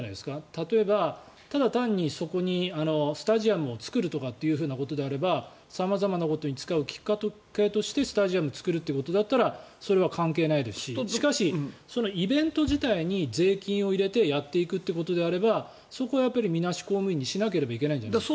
例えばただ単にそこにスタジアムを作るとかそういうことであれば様々なことに使うきっかけとしてスタジアムを作るということだったらそれは関係ないですししかし、そのイベント自体に税金を入れてやっていくということであればそこはみなし公務員にしなければいけないと思います。